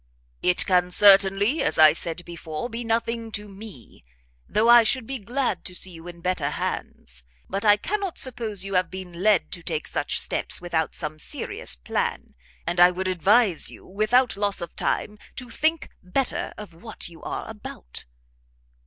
"It can certainly, as I said before, be nothing to me, though I should be glad to see you in better hands: but I cannot suppose you have been led to take such steps without some serious plan; and I would advise you, without loss of time, to think better of what you are about."